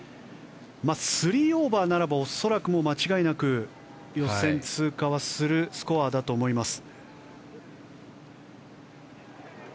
３オーバーならば恐らく間違いなく予選通過はするスコアだと思います。